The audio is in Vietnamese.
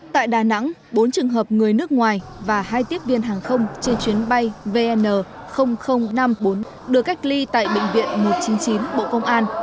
tại đà nẵng bốn trường hợp người nước ngoài và hai tiếp viên hàng không trên chuyến bay vn năm mươi bốn được cách ly tại bệnh viện một trăm chín mươi chín bộ công an